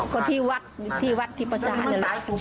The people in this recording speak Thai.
ก็ที่วักธรรม์ที่วักธรรม์ที่ปลาชาอะไรหน่อย